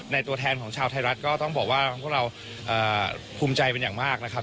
ตัวแทนของชาวไทยรัฐก็ต้องบอกว่าพวกเราภูมิใจเป็นอย่างมากนะครับ